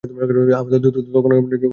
তখনকার আমলে কেউ ডিভোর্স দিতো না।